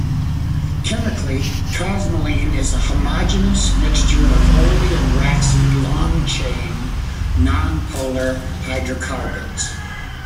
Chemically, cosmoline is a homogeneous mixture of oily and waxy long-chain, non-polar hydrocarbons.